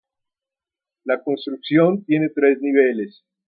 La construcción tiene tres niveles.